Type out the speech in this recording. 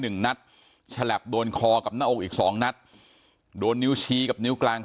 หนึ่งนัดฉลับโดนคอกับหน้าอกอีกสองนัดโดนนิ้วชี้กับนิ้วกลาง